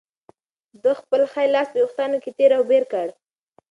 ده خپل ښی لاس په وېښتانو کې تېر او بېر کړ.